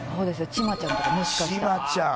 チマちゃんとかもしかしたら。